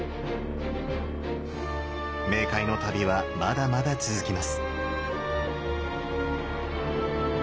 冥界の旅はまだまだ続きます。